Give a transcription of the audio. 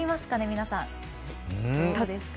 皆さん。